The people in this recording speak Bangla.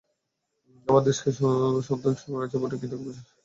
আমরা দেশকে স্বাধীন করেছি বটে কিন্তু এখন পর্যন্ত শৃঙ্খলমুক্ত হতে পারিনি।